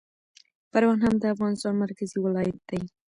پروان هم د افغانستان مرکزي ولایت دی